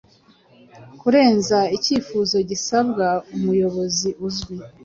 Kurenza icyifuzo gisabwa umuyobozi uzwi